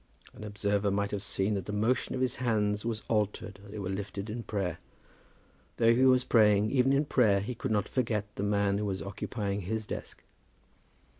An observer might have seen that the motion of his hands was altered as they were lifted in prayer. Though he was praying, even in prayer he could not forget the man who was occupying his desk.